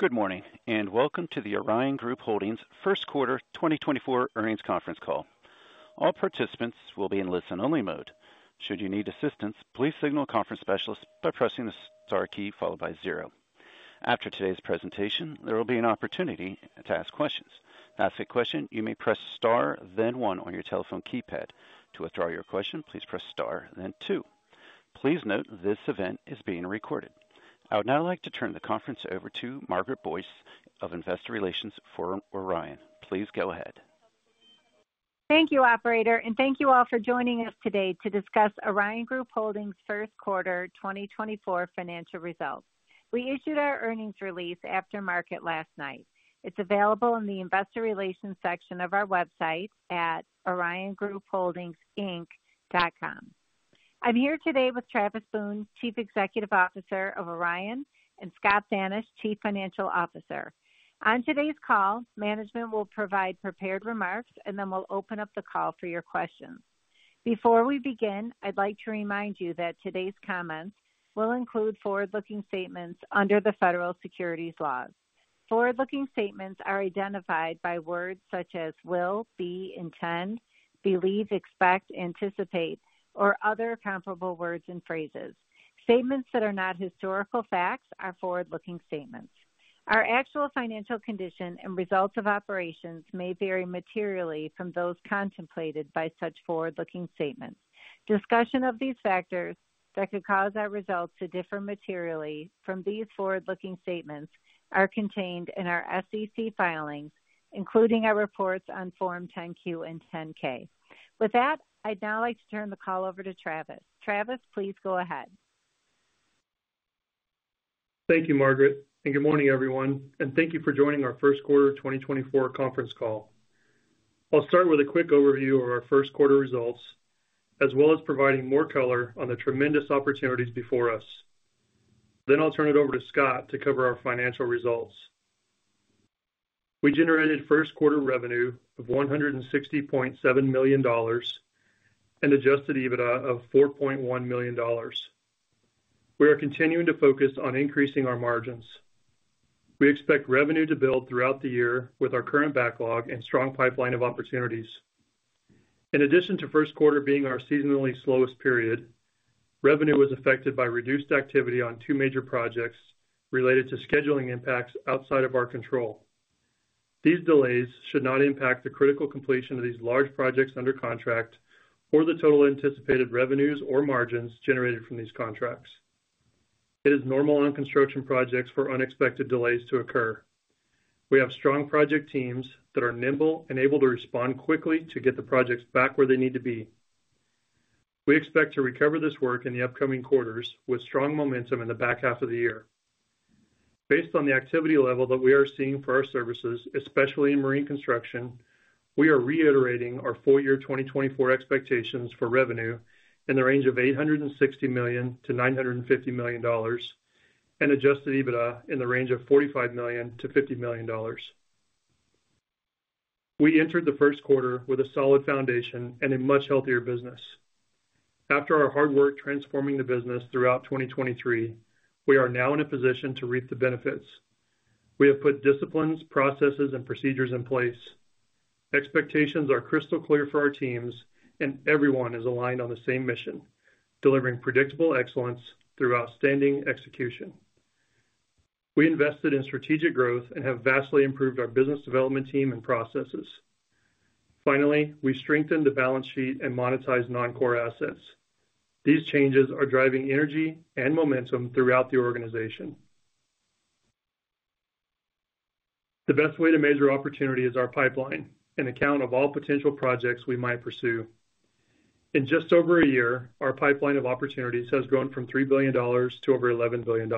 Good morning and welcome to the Orion Group Holdings first quarter 2024 earnings conference call. All participants will be in listen-only mode. Should you need assistance, please signal a conference specialist by pressing the star key followed by zero. After today's presentation, there will be an opportunity to ask questions. To ask a question, you may press star then one on your telephone keypad. To withdraw your question, please press star then two. Please note this event is being recorded. I would now like to turn the conference over to Margaret Boyce of Investor Relations for Orion. Please go ahead. Thank you, Operator, and thank you all for joining us today to discuss Orion Group Holdings first quarter 2024 financial results. We issued our earnings release after market last night. It's available in the Investor Relations section of our website at oriongroupholdingsinc.com. I'm here today with Travis Boone, Chief Executive Officer of Orion, and Scott Thanisch, Chief Financial Officer. On today's call, management will provide prepared remarks and then we'll open up the call for your questions. Before we begin, I'd like to remind you that today's comments will include forward-looking statements under the federal securities laws. Forward-looking statements are identified by words such as will, be, intend, believe, expect, anticipate, or other comparable words and phrases. Statements that are not historical facts are forward-looking statements. Our actual financial condition and results of operations may vary materially from those contemplated by such forward-looking statements. Discussion of these factors that could cause our results to differ materially from these forward-looking statements are contained in our SEC filings, including our reports on Form 10-Q and Form 10-K. With that, I'd now like to turn the call over to Travis. Travis, please go ahead. Thank you, Margaret, and good morning, everyone, and thank you for joining our first quarter 2024 conference call. I'll start with a quick overview of our first quarter results as well as providing more color on the tremendous opportunities before us. Then I'll turn it over to Scott to cover our financial results. We generated first quarter revenue of $160.7 million and adjusted EBITDA of $4.1 million. We are continuing to focus on increasing our margins. We expect revenue to build throughout the year with our current backlog and strong pipeline of opportunities. In addition to first quarter being our seasonally slowest period, revenue was affected by reduced activity on two major projects related to scheduling impacts outside of our control. These delays should not impact the critical completion of these large projects under contract or the total anticipated revenues or margins generated from these contracts. It is normal on construction projects for unexpected delays to occur. We have strong project teams that are nimble and able to respond quickly to get the projects back where they need to be. We expect to recover this work in the upcoming quarters with strong momentum in the back half of the year. Based on the activity level that we are seeing for our services, especially in marine construction, we are reiterating our full year 2024 expectations for revenue in the range of $860 million-$950 million and adjusted EBITDA in the range of $45 million-$50 million. We entered the first quarter with a solid foundation and a much healthier business. After our hard work transforming the business throughout 2023, we are now in a position to reap the benefits. We have put disciplines, processes, and procedures in place. Expectations are crystal clear for our teams, and everyone is aligned on the same mission: delivering predictable excellence through outstanding execution. We invested in strategic growth and have vastly improved our business development team and processes. Finally, we strengthened the balance sheet and monetized non-core assets. These changes are driving energy and momentum throughout the organization. The best way to measure opportunity is our pipeline, an account of all potential projects we might pursue. In just over a year, our pipeline of opportunities has grown from $3 billion to over $11 billion.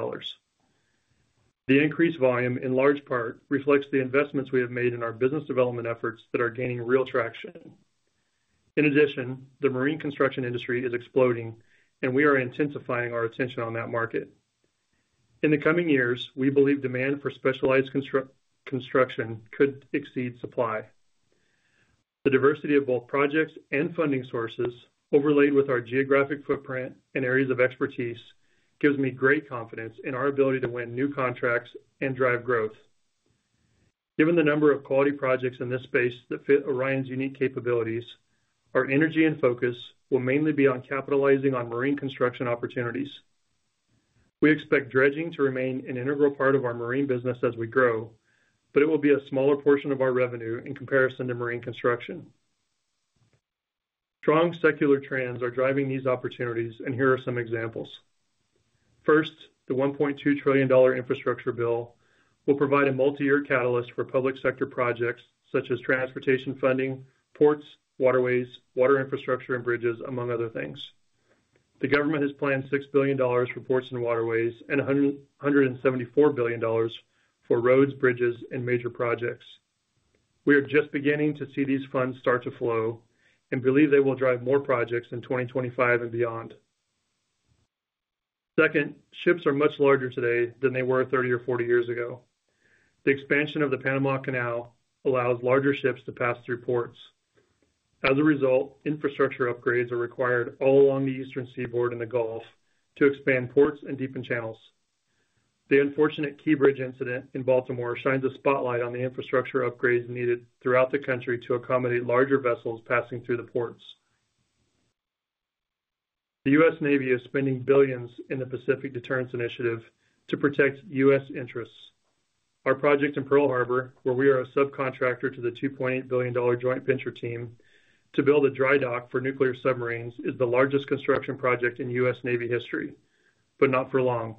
The increased volume, in large part, reflects the investments we have made in our business development efforts that are gaining real traction. In addition, the marine construction industry is exploding, and we are intensifying our attention on that market. In the coming years, we believe demand for specialized construction could exceed supply. The diversity of both projects and funding sources, overlaid with our geographic footprint and areas of expertise, gives me great confidence in our ability to win new contracts and drive growth. Given the number of quality projects in this space that fit Orion's unique capabilities, our energy and focus will mainly be on capitalizing on marine construction opportunities. We expect dredging to remain an integral part of our marine business as we grow, but it will be a smaller portion of our revenue in comparison to marine construction. Strong secular trends are driving these opportunities, and here are some examples. First, the $1.2 trillion infrastructure bill will provide a multi-year catalyst for public sector projects such as transportation funding, ports, waterways, water infrastructure, and bridges, among other things. The government has planned $6 billion for ports and waterways and $174 billion for roads, bridges, and major projects. We are just beginning to see these funds start to flow and believe they will drive more projects in 2025 and beyond. Second, ships are much larger today than they were 30 or 40 years ago. The expansion of the Panama Canal allows larger ships to pass through ports. As a result, infrastructure upgrades are required all along the Eastern Seaboard in the Gulf to expand ports and deepen channels. The unfortunate Key Bridge incident in Baltimore shines a spotlight on the infrastructure upgrades needed throughout the country to accommodate larger vessels passing through the ports. The U.S. Navy is spending billions in the Pacific Deterrence Initiative to protect U.S. interests. Our project in Pearl Harbor, where we are a subcontractor to the $2.8 billion joint venture team to build a dry dock for nuclear submarines, is the largest construction project in U.S. Navy history, but not for long.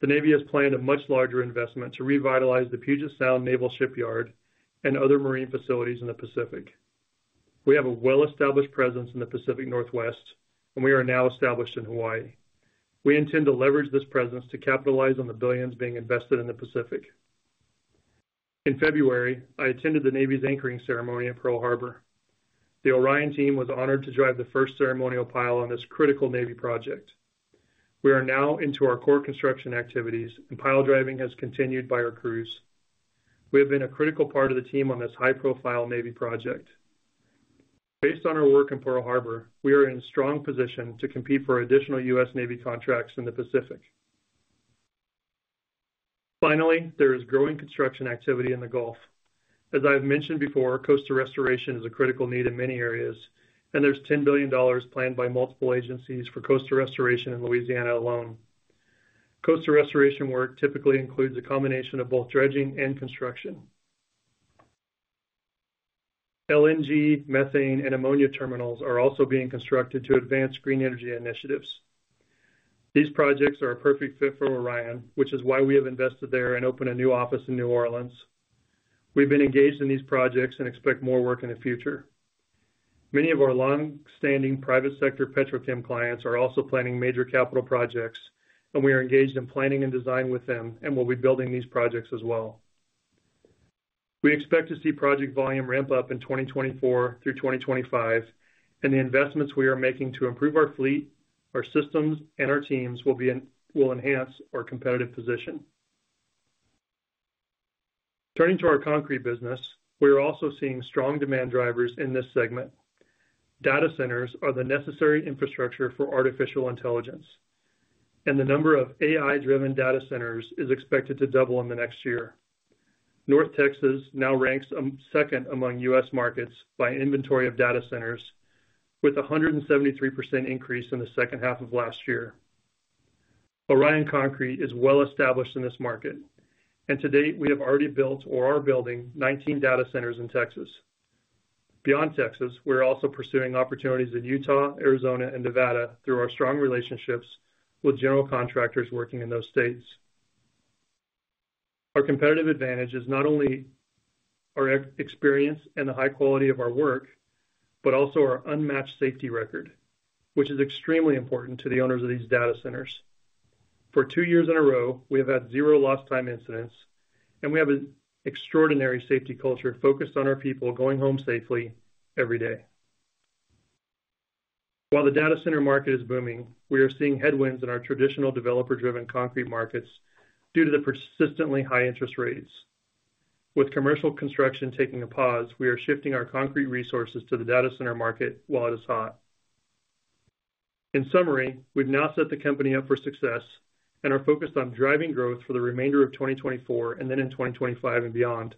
The Navy has planned a much larger investment to revitalize the Puget Sound Naval Shipyard and other marine facilities in the Pacific. We have a well-established presence in the Pacific Northwest, and we are now established in Hawaii. We intend to leverage this presence to capitalize on the billions being invested in the Pacific. In February, I attended the Navy's anchoring ceremony at Pearl Harbor. The Orion team was honored to drive the first ceremonial pile on this critical Navy project. We are now into our core construction activities, and pile driving has continued by our crews. We have been a critical part of the team on this high-profile Navy project. Based on our work in Pearl Harbor, we are in a strong position to compete for additional U.S. Navy contracts in the Pacific. Finally, there is growing construction activity in the Gulf. As I have mentioned before, coastal restoration is a critical need in many areas, and there's $10 billion planned by multiple agencies for coastal restoration in Louisiana alone. Coastal restoration work typically includes a combination of both dredging and construction. LNG, methane, and ammonia terminals are also being constructed to advance green energy initiatives. These projects are a perfect fit for Orion, which is why we have invested there and opened a new office in New Orleans. We've been engaged in these projects and expect more work in the future. Many of our long-standing private sector petrochem clients are also planning major capital projects, and we are engaged in planning and design with them and will be building these projects as well. We expect to see project volume ramp up in 2024 through 2025, and the investments we are making to improve our fleet, our systems, and our teams will enhance our competitive position. Turning to our concrete business, we are also seeing strong demand drivers in this segment. Data centers are the necessary infrastructure for artificial intelligence, and the number of AI-driven data centers is expected to double in the next year. North Texas now ranks second among U.S. markets by inventory of data centers, with a 173% increase in the second half of last year. Orion Concrete is well-established in this market, and to date, we have already built or are building 19 data centers in Texas. Beyond Texas, we are also pursuing opportunities in Utah, Arizona, and Nevada through our strong relationships with general contractors working in those states. Our competitive advantage is not only our experience and the high quality of our work but also our unmatched safety record, which is extremely important to the owners of these data centers. For two years in a row, we have had zero lost-time incidents, and we have an extraordinary safety culture focused on our people going home safely every day. While the data center market is booming, we are seeing headwinds in our traditional developer-driven concrete markets due to the persistently high interest rates. With commercial construction taking a pause, we are shifting our concrete resources to the data center market while it is hot. In summary, we've now set the company up for success and are focused on driving growth for the remainder of 2024 and then in 2025 and beyond.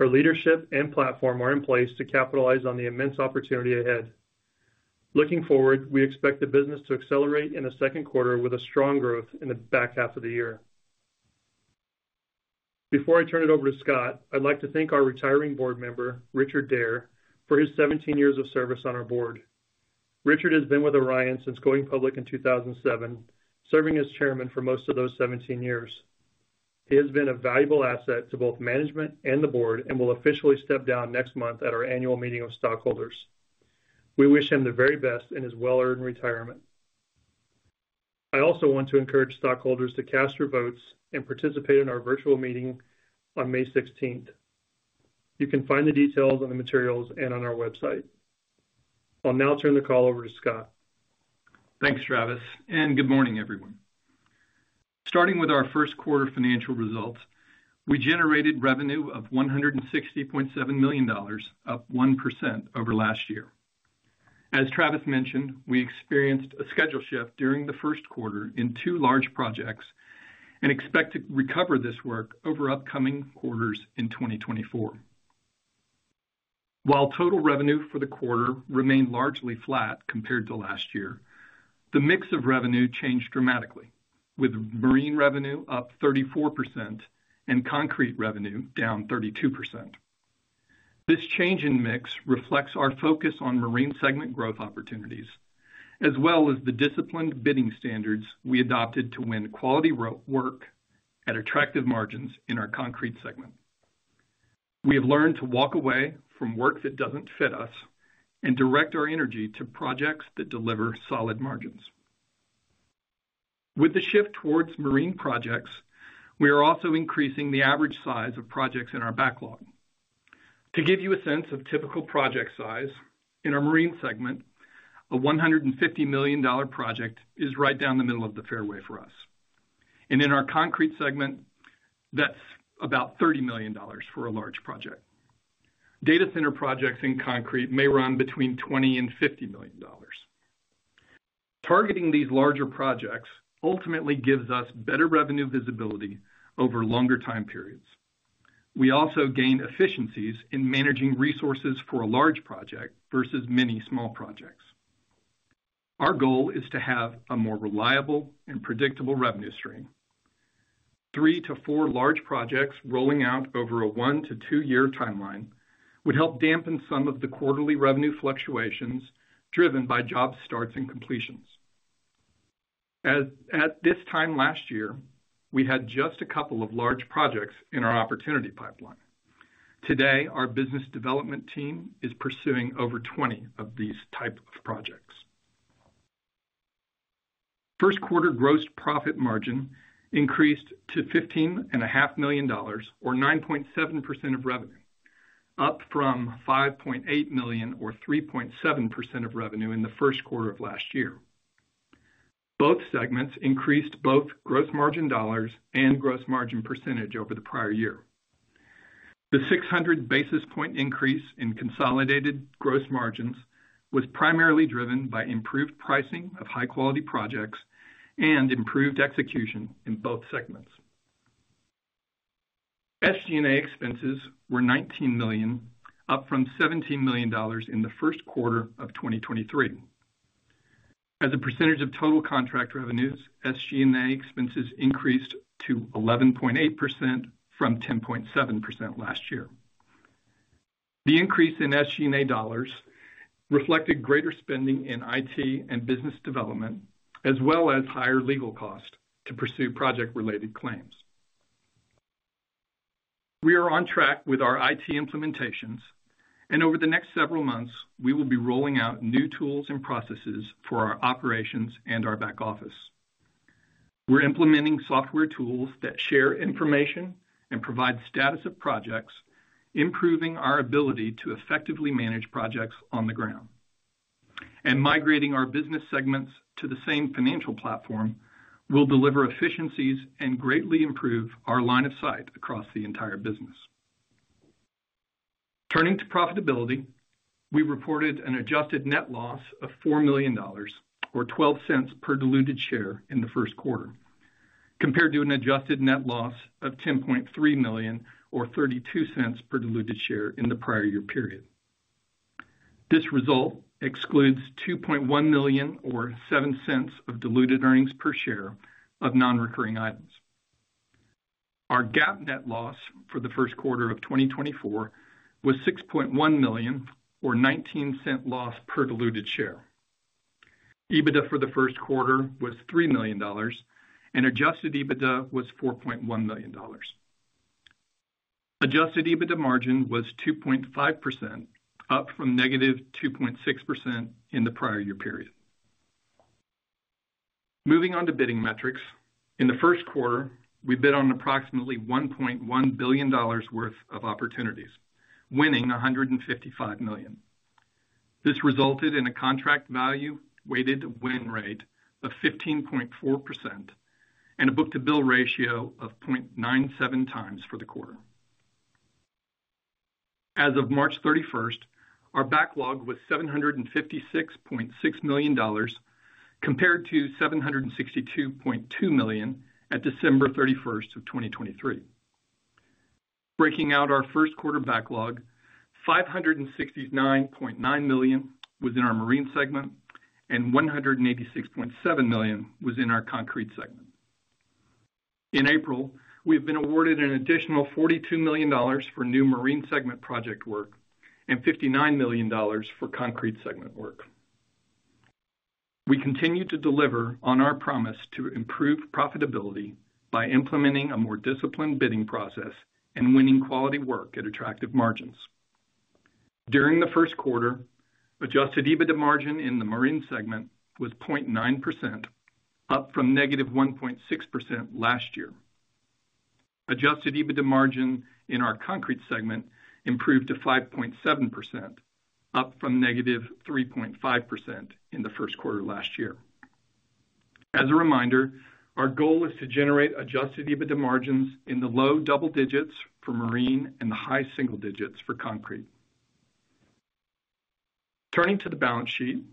Our leadership and platform are in place to capitalize on the immense opportunity ahead. Looking forward, we expect the business to accelerate in the second quarter with a strong growth in the back half of the year. Before I turn it over to Scott, I'd like to thank our retiring board member, Richard Daerr, for his 17 years of service on our board. Richard has been with Orion since going public in 2007, serving as chairman for most of those 17 years. He has been a valuable asset to both management and the board and will officially step down next month at our annual meeting of stockholders. We wish him the very best in his well-earned retirement. I also want to encourage stockholders to cast your votes and participate in our virtual meeting on May 16th. You can find the details on the materials and on our website. I'll now turn the call over to Scott. Thanks, Travis, and good morning, everyone. Starting with our first quarter financial results, we generated revenue of $160.7 million, up 1% over last year. As Travis mentioned, we experienced a schedule shift during the first quarter in two large projects and expect to recover this work over upcoming quarters in 2024. While total revenue for the quarter remained largely flat compared to last year, the mix of revenue changed dramatically, with marine revenue up 34% and concrete revenue down 32%. This change in mix reflects our focus on marine segment growth opportunities as well as the disciplined bidding standards we adopted to win quality work at attractive margins in our concrete segment. We have learned to walk away from work that doesn't fit us and direct our energy to projects that deliver solid margins. With the shift towards marine projects, we are also increasing the average size of projects in our backlog. To give you a sense of typical project size, in our marine segment, a $150 million project is right down the middle of the fairway for us. In our concrete segment, that's about $30 million for a large project. Data center projects in concrete may run between $20-$50 million. Targeting these larger projects ultimately gives us better revenue visibility over longer time periods. We also gain efficiencies in managing resources for a large project versus many small projects. Our goal is to have a more reliable and predictable revenue stream. Three to four large projects rolling out over a one-to-two-year timeline would help dampen some of the quarterly revenue fluctuations driven by job starts and completions. At this time last year, we had just a couple of large projects in our opportunity pipeline. Today, our business development team is pursuing over 20 of these types of projects. First quarter gross profit margin increased to $15.5 million or 9.7% of revenue, up from $5.8 million or 3.7% of revenue in the first quarter of last year. Both segments increased both gross margin dollars and gross margin percentage over the prior year. The 600 basis point increase in consolidated gross margins was primarily driven by improved pricing of high-quality projects and improved execution in both segments. SG&A expenses were $19 million, up from $17 million in the first quarter of 2023. As a percentage of total contract revenues, SG&A expenses increased to 11.8% from 10.7% last year. The increase in SG&A dollars reflected greater spending in IT and business development as well as higher legal costs to pursue project-related claims. We are on track with our IT implementations, and over the next several months, we will be rolling out new tools and processes for our operations and our back office. We're implementing software tools that share information and provide status of projects, improving our ability to effectively manage projects on the ground. Migrating our business segments to the same financial platform will deliver efficiencies and greatly improve our line of sight across the entire business. Turning to profitability, we reported an adjusted net loss of $4 million or $0.12 per diluted share in the first quarter, compared to an adjusted net loss of $10.3 million or $0.32 per diluted share in the prior year period. This result excludes $2.1 million or 0.07 of diluted earnings per share of non-recurring items. Our GAAP net loss for the first quarter of 2024 was $6.1 million or 0.19 loss per diluted share. EBITDA for the first quarter was $3 million, and adjusted EBITDA was $4.1 million. Adjusted EBITDA margin was 2.5%, up from -2.6% in the prior year period. Moving on to bidding metrics, in the first quarter, we bid on approximately $1.1 billion worth of opportunities, winning $155 million. This resulted in a contract value weighted win rate of 15.4% and a book-to-bill ratio of 0.97x for the quarter. As of March 31st, our backlog was $756.6 million compared to $762.2 million at December 31st of 2023. Breaking out our first quarter backlog, $569.9 million was in our marine segment, and $186.7 million was in our concrete segment. In April, we have been awarded an additional $42 million for new marine segment project work and $59 million for concrete segment work. We continue to deliver on our promise to improve profitability by implementing a more disciplined bidding process and winning quality work at attractive margins. During the first quarter, adjusted EBITDA margin in the marine segment was 0.9%, up from -1.6% last year. Adjusted EBITDA margin in our concrete segment improved to 5.7%, up from -3.5% in the first quarter last year. As a reminder, our goal is to generate adjusted EBITDA margins in the low double digits for marine and the high single digits for concrete. Turning to the balance sheet,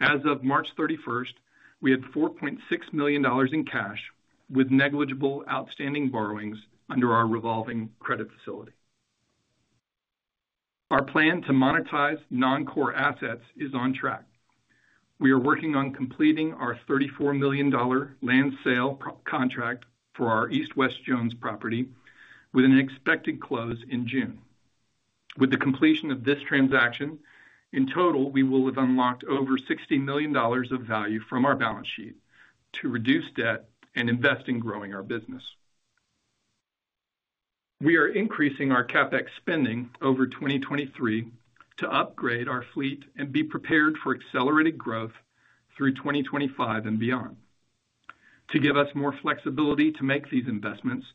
as of March 31st, we had $4.6 million in cash with negligible outstanding borrowings under our revolving credit facility. Our plan to monetize non-core assets is on track. We are working on completing our $34 million land sale contract for our East West Jones property with an expected close in June. With the completion of this transaction, in total, we will have unlocked over $60 million of value from our balance sheet to reduce debt and invest in growing our business. We are increasing our CapEx spending over 2023 to upgrade our fleet and be prepared for accelerated growth through 2025 and beyond. To give us more flexibility to make these investments,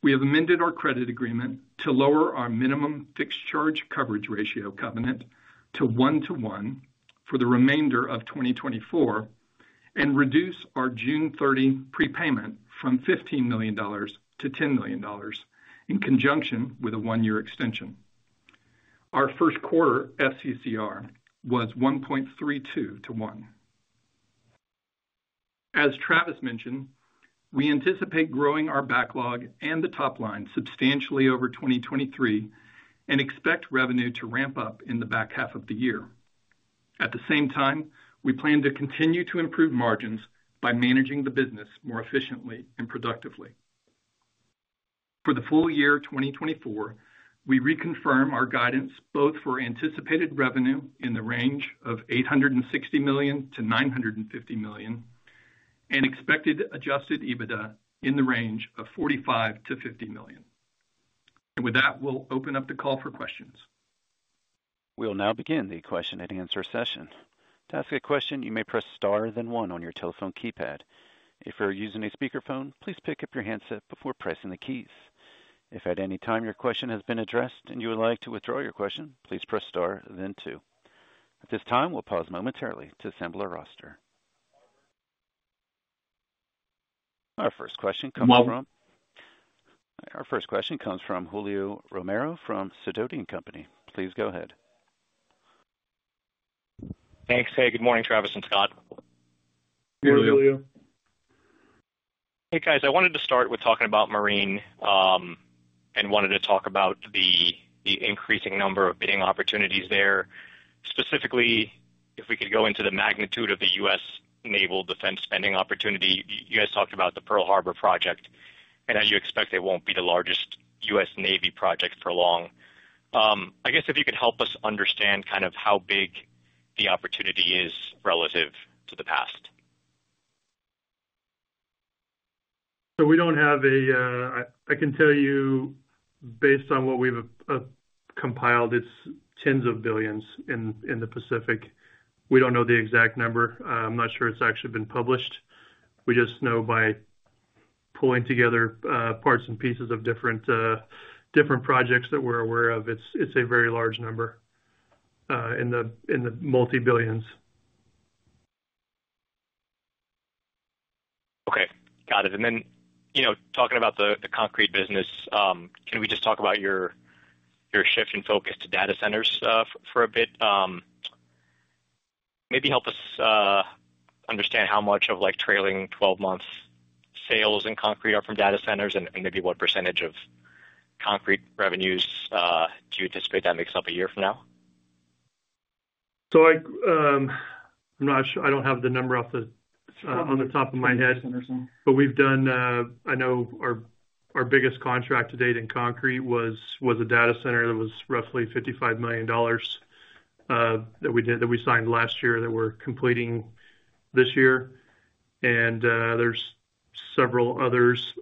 we have amended our credit agreement to lower our minimum fixed charge coverage ratio covenant to 1:1 for the remainder of 2024 and reduce our June 30 prepayment from $15 million-$10 million in conjunction with a one-year extension. Our first quarter FCCR was 1.32-1. As Travis mentioned, we anticipate growing our backlog and the top-line substantially over 2023 and expect revenue to ramp up in the back half of the year. At the same time, we plan to continue to improve margins by managing the business more efficiently and productively. For the full year 2024, we reconfirm our guidance both for anticipated revenue in the range of $860 million-$950 million and expected adjusted EBITDA in the range of $45 million-$50 million. With that, we'll open up the call for questions. We'll now begin the question-and-answer session. To ask a question, you may press star then one on your telephone keypad. If you're using a speakerphone, please pick up your handset before pressing the keys. If at any time your question has been addressed and you would like to withdraw your question, please press star then two. At this time, we'll pause momentarily to assemble our roster. Our first question comes from Julio Romero from Sidoti & Company. Please go ahead. Thanks. Hey, good morning, Travis and Scott. Good morning, Julio. Hey, guys. I wanted to start with talking about marine and wanted to talk about the increasing number of bidding opportunities there. Specifically, if we could go into the magnitude of the U.S. naval defense spending opportunity, you guys talked about the Pearl Harbor project and how you expect it won't be the largest U.S. Navy project for long. I guess if you could help us understand kind of how big the opportunity is relative to the past? So we don't have. I can tell you based on what we've compiled, it's tens of billions in the Pacific. We don't know the exact number. I'm not sure it's actually been published. We just know by pulling together parts and pieces of different projects that we're aware of, it's a very large number in the multi-billions. Okay. Got it. And then talking about the concrete business, can we just talk about your shift and focus to data centers for a bit? Maybe help us understand how much of trailing 12-month sales in concrete are from data centers and maybe what percentage of concrete revenues do you anticipate that makes up a year from now? So I'm not sure. I don't have the number off the top of my head. But we've done, I know, our biggest contract to date in concrete was a data center that was roughly $55 million that we signed last year that we're completing this year. And there's several others.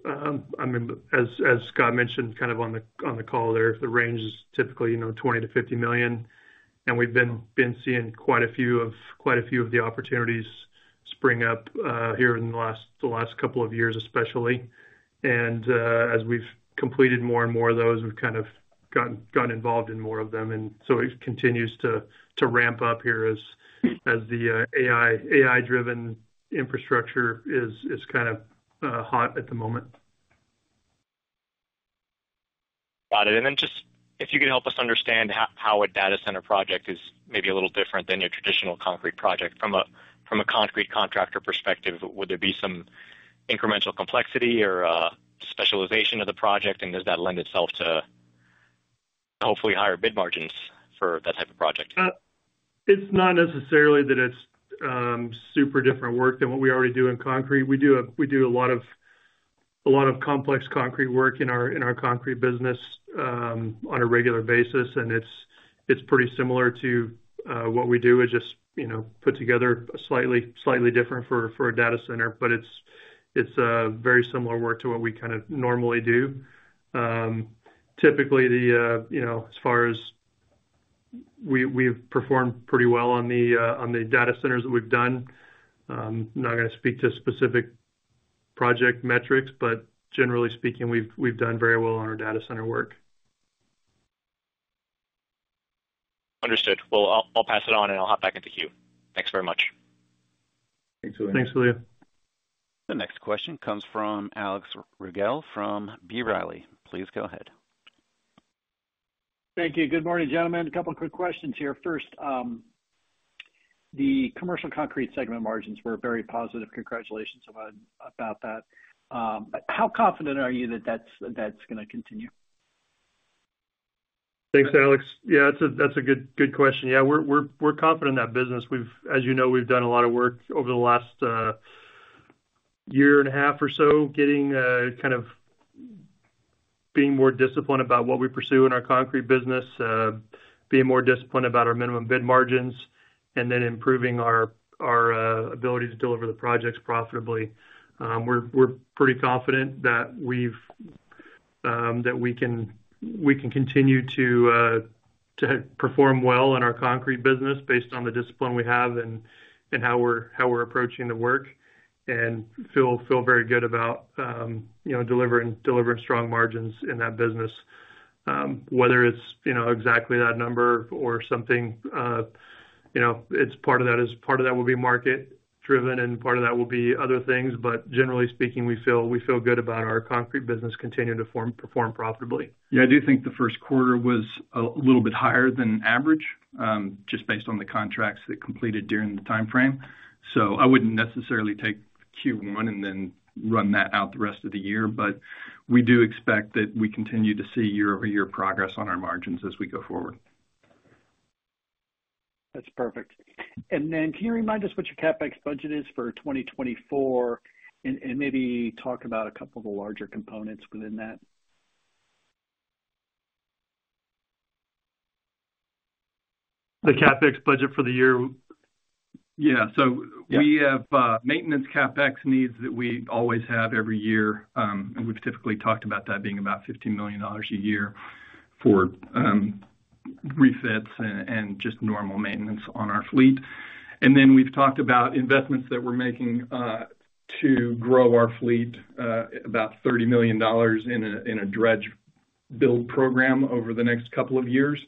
I mean, as Scott mentioned kind of on the call there, the range is typically $20 million-$50 million. And we've been seeing quite a few of quite a few of the opportunities spring up here in the last couple of years, especially. And as we've completed more and more of those, we've kind of gotten involved in more of them. And so it continues to ramp up here as the AI-driven infrastructure is kind of hot at the moment. Got it. And then just if you could help us understand how a data center project is maybe a little different than your traditional concrete project? From a concrete contractor perspective, would there be some incremental complexity or specialization of the project? And does that lend itself to hopefully higher bid margins for that type of project? It's not necessarily that it's super different work than what we already do in concrete. We do a lot of complex concrete work in our concrete business on a regular basis. And it's pretty similar to what we do. It's just put together slightly different for a data center. But it's very similar work to what we kind of normally do. Typically, as far as we've performed pretty well on the data centers that we've done. I'm not going to speak to specific project metrics, but generally speaking, we've done very well on our data center work. Understood. Well, I'll pass it on and I'll hop back into queue. Thanks very much. Thanks, Julio. The next question comes from Alex Rygiel from B. Riley. Please go ahead. Thank you. Good morning, gentlemen. A couple of quick questions here. First, the Commercial Concrete segment margins were very positive. Congratulations about that. How confident are you that that's going to continue? Thanks, Alex. Yeah, that's a good question. Yeah, we're confident in that business. As you know, we've done a lot of work over the last, a year and half or so getting kind of being more disciplined about what we pursue in our concrete business, being more disciplined about our minimum bid margins, and then improving our ability to deliver the projects profitably. We're pretty confident that we can continue to perform well in our concrete business based on the discipline we have and how we're approaching the work and feel very good about delivering strong margins in that business, whether it's exactly that number or something. It's part of that will be market-driven and part of that will be other things. But generally speaking, we feel good about our concrete business continuing to perform profitably. Yeah, I do think the first quarter was a little bit higher than average just based on the contracts that completed during the timeframe. So I wouldn't necessarily take Q1 and then run that out the rest of the year. But we do expect that we continue to see year-over-year progress on our margins as we go forward. That's perfect. Then can you remind us what your CapEx budget is for 2024 and maybe talk about a couple of the larger components within that? The CapEx budget for the year? Yeah. So we have maintenance CapEx needs that we always have every year. And we've typically talked about that being about $15 million a year for refits and just normal maintenance on our fleet. And then we've talked about investments that we're making to grow our fleet, about $30 million in a dredge build program over the next couple of years.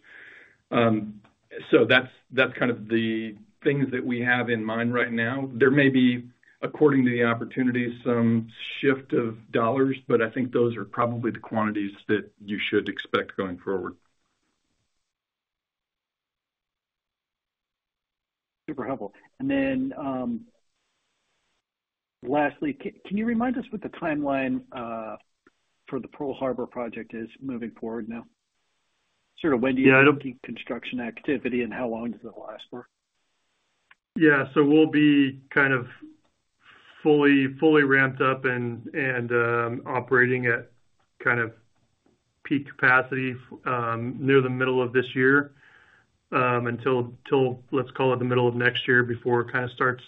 So that's kind of the things that we have in mind right now. There may be, according to the opportunities, some shift of dollars, but I think those are probably the quantities that you should expect going forward. Super helpful. And then lastly, can you remind us what the timeline for the Pearl Harbor project is moving forward now? Sort of, when do you think construction activity and how long does it last for? Yeah. So we'll be kind of fully ramped up and operating at kind of peak capacity near the middle of this year until, let's call it, the middle of next year before it kind of starts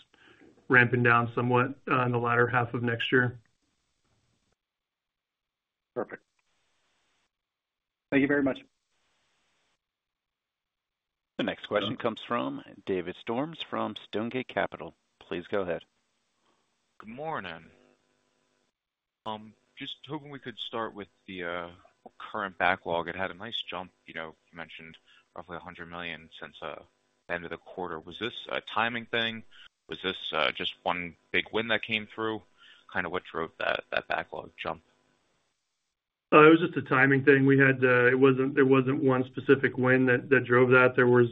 ramping down somewhat in the latter half of next year. Perfect. Thank you very much. The next question comes from David Storms from Stonegate Capital. Please go ahead. Good morning. Just hoping we could start with the current backlog. It had a nice jump. You mentioned roughly $100 million since the end of the quarter. Was this a timing thing? Was this just one big win that came through? Kind of what drove that backlog jump? It was just a timing thing. It wasn't one specific win that drove that. There was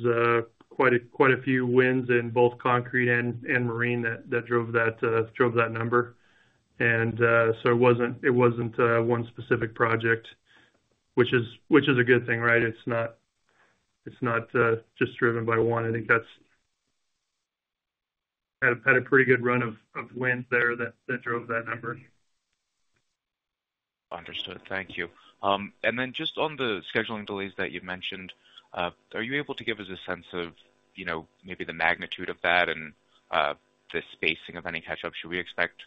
quite a few wins in both concrete and marine that drove that number. And so it wasn't one specific project, which is a good thing, right? It's not just driven by one. I think that's had a pretty good run of wins there that drove that number. Understood. Thank you. And then just on the scheduling delays that you've mentioned, are you able to give us a sense of maybe the magnitude of that and the spacing of any catch-up? Should we expect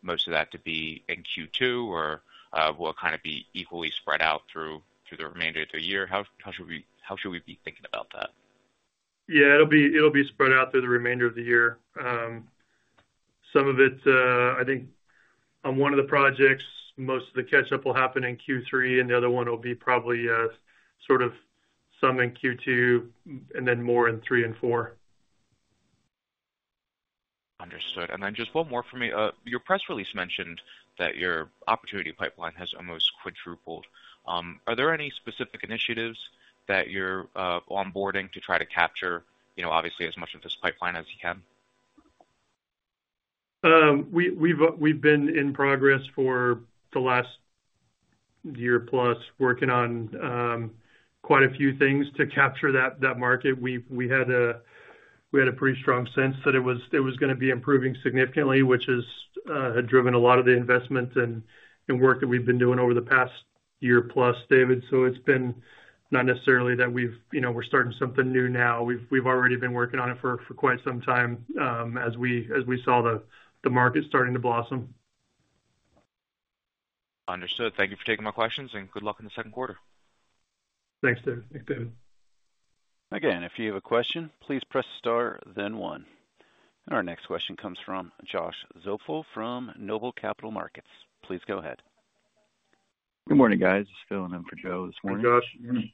most of that to be in Q2, or will it kind of be equally spread out through the remainder of the year? How should we be thinking about that? Yeah, it'll be spread out through the remainder of the year. Some of it, I think, on one of the projects, most of the catch-up will happen in Q3, and the other one will be probably sort of some in Q2 and then more in 3 and 4. Understood. Then just one more for me. Your press release mentioned that your opportunity pipeline has almost quadrupled. Are there any specific initiatives that you're onboarding to try to capture, obviously, as much of this pipeline as you can? We've been in progress for the last year-plus working on quite a few things to capture that market. We had a pretty strong sense that it was going to be improving significantly, which has driven a lot of the investment and work that we've been doing over the past year-plus, David. So it's been not necessarily that we're starting something new now. We've already been working on it for quite some time as we saw the market starting to blossom. Understood. Thank you for taking my questions, and good luck in the second quarter. Thanks, David. Thanks, David. Again, if you have a question, please press star, then one. Our next question comes from Josh Zoepfel from Noble Capital Markets. Please go ahead. Good morning, guys. It's Phil. I'm for Joe this morning. Hey, Phil. Good morning.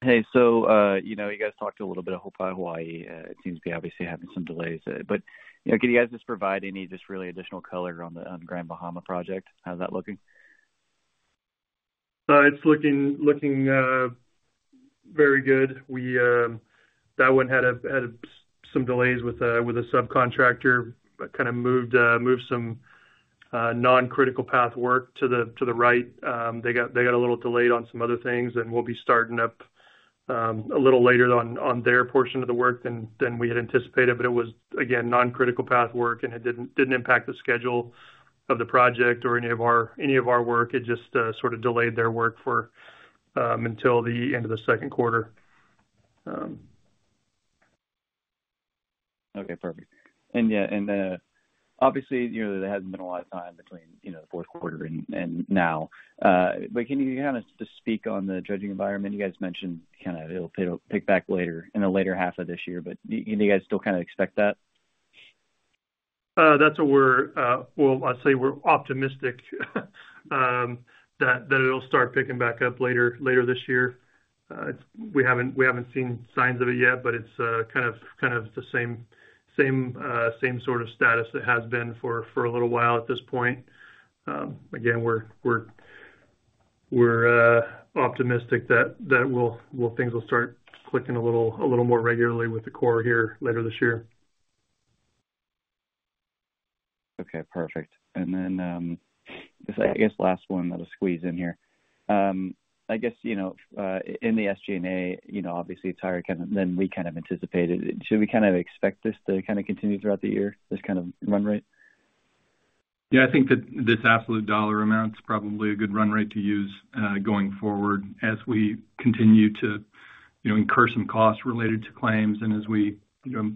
Hey, so you guys talked a little bit of Pearl Harbor, Hawaii. It seems to be, obviously, having some delays. But can you guys just provide any just really additional color on the Grand Bahama project? How's that looking? It's looking very good. That one had some delays with a subcontractor. Kind of moved some non-critical path work to the right. They got a little delayed on some other things, and we'll be starting up a little later on their portion of the work than we had anticipated. But it was, again, non-critical path work, and it didn't impact the schedule of the project or any of our work. It just sort of delayed their work until the end of the second quarter. Okay. Perfect. And yeah, and obviously, there hasn't been a lot of time between the fourth quarter and now. But can you kind of just speak on the dredging environment? You guys mentioned kind of it'll pick back later in the later half of this year. But can you guys still kind of expect that? That's what we're well, I'd say we're optimistic that it'll start picking back up later this year. We haven't seen signs of it yet, but it's kind of the same sort of status it has been for a little while at this point. Again, we're optimistic that things will start clicking a little more regularly with the core here later this year. Okay. Perfect. And then this, I guess, last one that'll squeeze in here. I guess in the SG&A, obviously, it's higher than we kind of anticipated. Should we kind of expect this to kind of continue throughout the year, this kind of run rate? Yeah, I think that this absolute dollar amount is probably a good run rate to use going forward as we continue to incur some costs related to claims and as we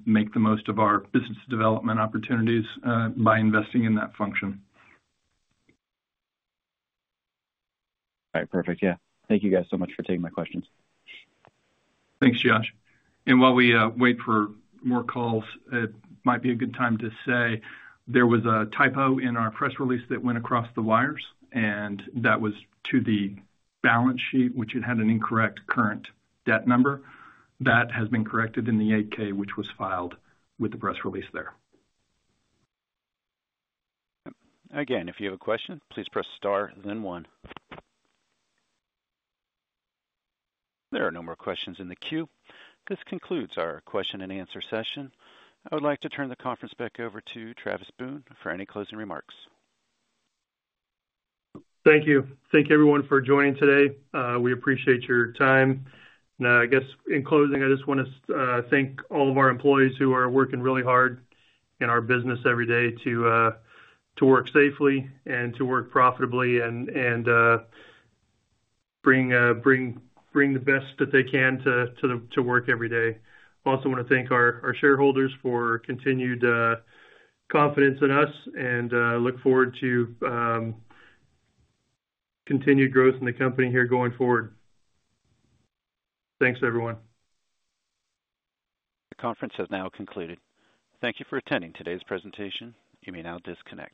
make the most of our business development opportunities by investing in that function. All right. Perfect. Yeah. Thank you guys so much for taking my questions. Thanks, Josh. While we wait for more calls, it might be a good time to say there was a typo in our press release that went across the wires, and that was to the balance sheet, which had had an incorrect current debt number. That has been corrected in the 8-K, which was filed with the press release there. Again, if you have a question, please press star, then one. There are no more questions in the queue. This concludes our question-and-answer session. I would like to turn the conference back over to Travis Boone for any closing remarks. Thank you. Thank everyone for joining today. We appreciate your time. I guess in closing, I just want to thank all of our employees who are working really hard in our business every day to work safely and to work profitably and bring the best that they can to work every day. Also want to thank our shareholders for continued confidence in us and look forward to continued growth in the company here going forward. Thanks, everyone. The conference has now concluded. Thank you for attending today's presentation. You may now disconnect.